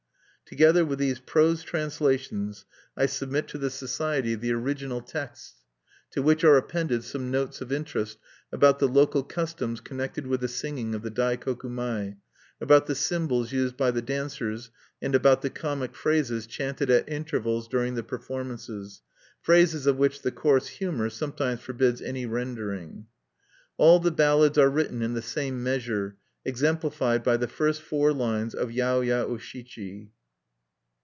Together with these prose translations, I submit to the Society the original texts, to which are appended some notes of interest about the local customs connected with the singing of the Daikoku mai, about the symbols used by the dancers, and about the comic phrases chanted at intervals during the performances, phrases of which the coarse humor sometimes forbids any rendering. All the ballads are written in the same measure, exemplified by the first four lines of "Yaoya O Shichi."